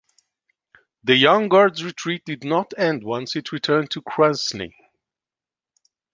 The Young Guard's retreat did not end once it returned to Krasny.